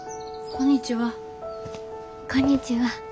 こんにちは。